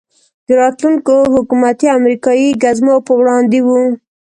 د راتلونکو حکومتي او امریکایي ګزمو په وړاندې وو.